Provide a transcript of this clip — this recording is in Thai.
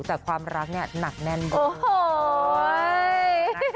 แต่ความรักนี่หนักแน่นบน